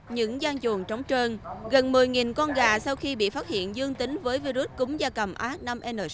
những gian chuồng trống trơn gần một mươi con gà sau khi bị phát hiện dương tính với virus cúng da cầm h năm n sáu